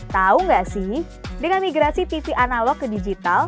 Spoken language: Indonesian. tau gak sih dengan migrasi tv analog ke digital